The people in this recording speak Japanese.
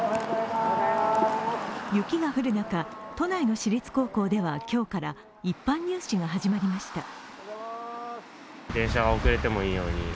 雪が降る中、都内の私立高校では今日から一般入試が始まりました。